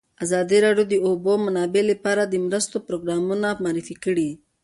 ازادي راډیو د د اوبو منابع لپاره د مرستو پروګرامونه معرفي کړي.